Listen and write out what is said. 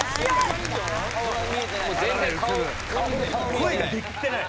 ・声が出きってない。